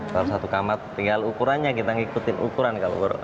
kalau satu kamar tinggal ukurannya kita ngikutin ukuran